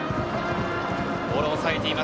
ボールを抑えています。